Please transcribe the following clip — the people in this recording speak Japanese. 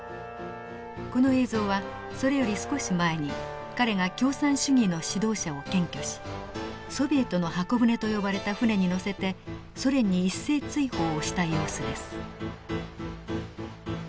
この映像はそれより少し前に彼が共産主義の指導者を検挙しソビエトの方舟と呼ばれた船に乗せてソ連に一斉追放をした様子です。